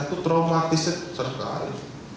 itu traumatis sekali